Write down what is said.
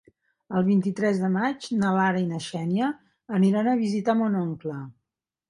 El vint-i-tres de maig na Lara i na Xènia aniran a visitar mon oncle.